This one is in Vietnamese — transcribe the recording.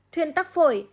thuyên tắc phổi